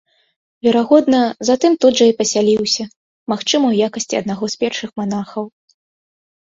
Верагодна, затым тут жа і пасяліўся, магчыма, у якасці аднаго з першых манахаў.